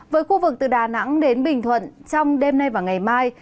với khu vực từ đà nẵng đến bình thuận trong đêm nay và ngày mai